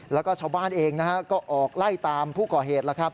แล้วก็ชาวบ้านเองก็ออกไล่ตามผู้ก่อเหตุ